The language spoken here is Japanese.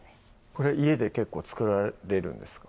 これ家で結構作られるんですか？